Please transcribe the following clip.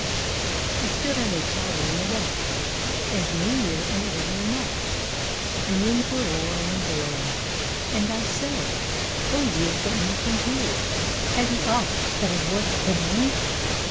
] I stood on a tower in the wet, And New Year and Old Year met, And winds were roaring and blowing; And I said, 'O years that meet in tears, Have ye aught that is worth the knowing?